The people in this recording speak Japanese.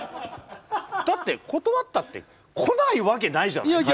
だって断ったって来ないわけないじゃない彼らは。